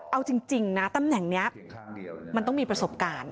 เอาจริงนะตำแหน่งนี้มันต้องมีประสบการณ์